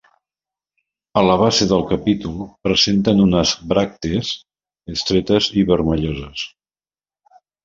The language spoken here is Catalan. A la base del capítol presenten unes bràctees estretes i vermelloses.